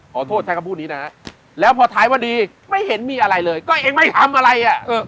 ขอโทษใช้คำพูดนี้นะฮะแล้วพอท้ายพอดีไม่เห็นมีอะไรเลยก็เองไม่ทำอะไรอ่ะ